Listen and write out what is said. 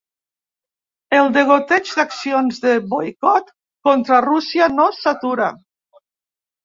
El degoteig d’accions de boicot contra Rússia no s’atura.